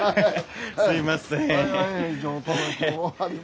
すいません。